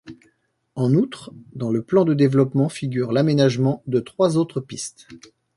En outre, dans le plan de développement figure l'aménagement de trois autres pistes.